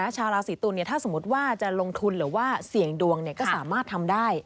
ชาวราศีตุลถ้าสมมติว่าจะลงทุนหรือว่าเสี่ยงดวงก็สามารถทำได้